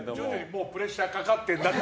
もうプレッシャーがかかってんだって。